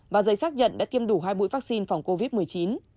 và giấy xác nhận đã tiêm đủ hai mũi vaccine phòng covid một mươi chín